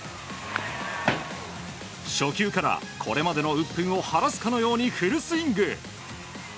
初球からこれまでのうっぷんを晴らすかのようにフルスイング。